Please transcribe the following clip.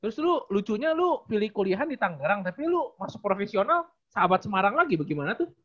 terus lo lucunya lo pilih kuliahan di tanggerang tapi lu masuk profesional sahabat semarang lagi bagaimana tuh